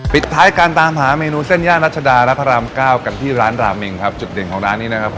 ปิดท้ายการตามหาเมนูเส้นญาติรัชดารัพราม๙กันที่ร้านลามังครับจุดเด่นของร้านนี้นะครับ